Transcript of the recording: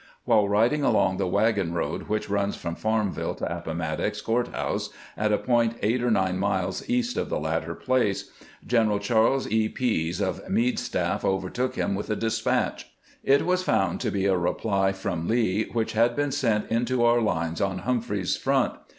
While riding along the wagon road which runs from Farmville to Appomattox Court house, at a point eight or nine miles east of the latter place. Lieutenant Charles E. Pease of Meade's staff overtook him with a despatch. It was found to be a reply from Lee, which had been sent into our lines on Humphreys's front.